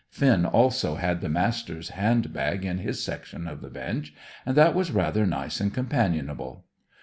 Finn also had the Master's hand bag in his section of the bench; and that was rather nice and companionable.